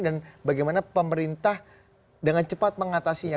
dan bagaimana pemerintah dengan cepat mengatasinya